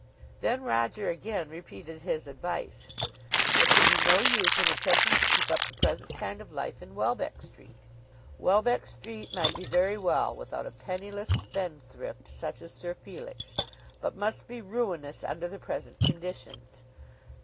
Then Roger again repeated his advice. There could be no use in attempting to keep up the present kind of life in Welbeck Street. Welbeck Street might be very well without a penniless spendthrift such as Sir Felix, but must be ruinous under the present conditions.